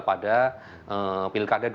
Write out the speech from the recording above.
pada pilkada dua ribu lima belas